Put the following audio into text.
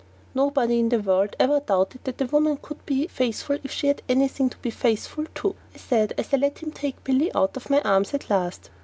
"Nobody in the world ever doubted that a woman could be faithful if she had anything to be faithful to," I said as I let him take Billy out of my arms at last.